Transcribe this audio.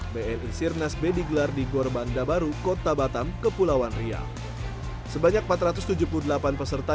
dua ribu dua puluh tiga bni sirnas b digelar di gorbanda baru kota batam kepulauan riau sebanyak empat ratus tujuh puluh delapan peserta